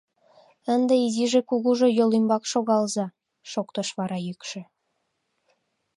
— Ынде изиже-кугужо йол ӱмбак шогалза, — шоктыш вара йӱкшӧ.